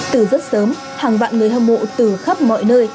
từ rất sớm hàng vạn người hâm mộ từ khắp mọi nơi